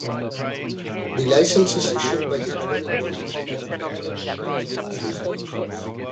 The licenses, issued by governing bodies, are provided by clubs or associations.